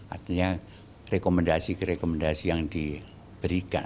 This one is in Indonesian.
artinya rekomendasi ke rekomendasi yang diberikan